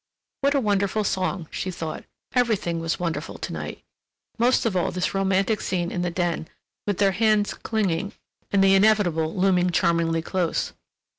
What a wonderful song, she thought—everything was wonderful to night, most of all this romantic scene in the den, with their hands clinging and the inevitable looming charmingly close.